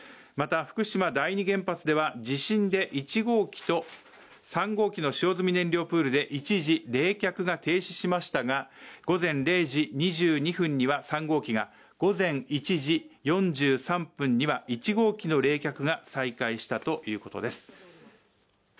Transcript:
また福島第２原発では、地震で１号機と３号機の使用済燃料プールで１次冷却が停止しましたが、午前０時２２分には３号機が午前１時４３部には、１号機の冷却が再開したということです。